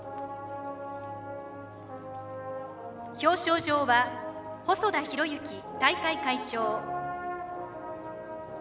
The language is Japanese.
表彰状は細田博之大会会長